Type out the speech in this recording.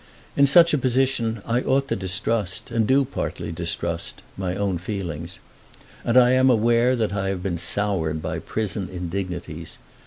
In such a position I ought to distrust, and do, partly, distrust my own feelings. And I am aware that I have been soured by prison indignities.